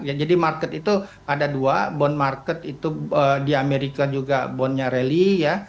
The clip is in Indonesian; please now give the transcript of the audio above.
ya jadi market itu ada dua bond market itu di amerika juga bondnya rally ya